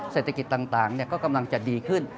เศรษฐกิจต่างก็กำลังจะดีขึ้น